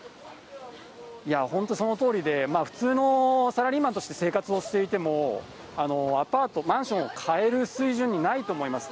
いやー、本当そのとおりで、普通のサラリーマンとして生活をしていても、アパート、マンションを買える水準にないと思います。